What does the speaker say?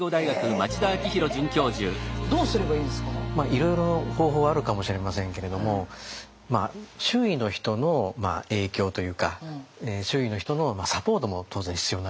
いろいろ方法はあるかもしれませんけれども周囲の人の影響というか周囲の人のサポートも当然必要になりますよね。